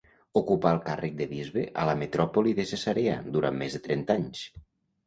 Ocupà el càrrec de bisbe a la metròpoli de Cesarea durant més de trenta anys.